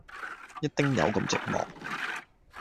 一丁友咁寂寞